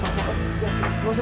oh ke situ